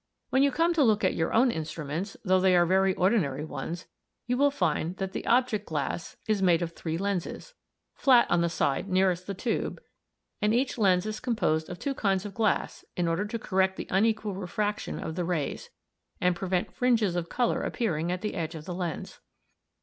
When you come to look at your own instruments, though they are very ordinary ones, you will find that the object glass o, l is made of three lenses, flat on the side nearest the tube, and each lens is composed of two kinds of glass in order to correct the unequal refraction of the rays, and prevent fringes of colour appearing at the edge of the lens.